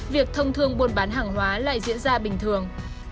việc thông thương buôn bán hàng hóa lại diễn ra bình thường